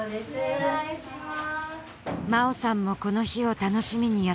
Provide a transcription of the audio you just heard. お願いします